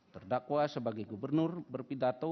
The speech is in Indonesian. terdakwa sebagai gubernur berpidato